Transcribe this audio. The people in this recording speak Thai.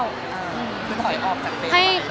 คือถอยออกจากเฟรมไว้